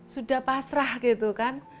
sudah pasrah gitu kan